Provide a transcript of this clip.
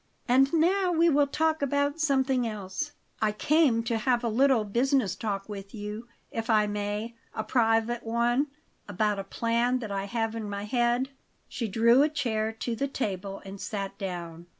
"And now we will talk about something else." "I came to have a little business talk with you, if I may a private one, about a plan that I have in my head." She drew a chair to the table and sat down.